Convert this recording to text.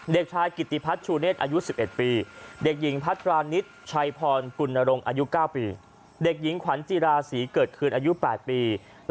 เด็กชายกิติพัฒนชูเนธอายุ๑๑ปีเด็กหญิงพัทรานิดชัยพรกุณรงค์อายุ๙ปีเด็กหญิงขวัญจีราศรีเกิดขึ้นอายุ๘ปี